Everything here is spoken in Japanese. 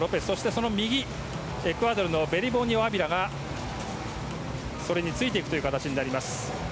その右、エクアドルのアビラが、それについていくという形になります。